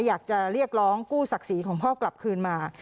อยากจะเรียกร้องกู้ศักดิ์ศรีของพ่อกลับคืนมา